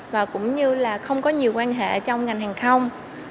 và cũng như là không có nhiều quan hệ trong ngành hàng không